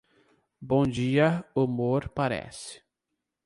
Bom dia humor parece.